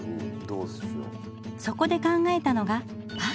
そこで考えたのがパフェ。